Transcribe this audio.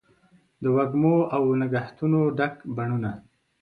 د وږمو او نګهتونو ډک بڼوڼه